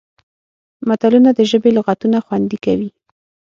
متلونه د ژبې لغتونه خوندي کوي